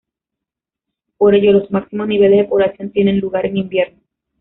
Por ello, los máximos niveles de población tienen lugar en invierno.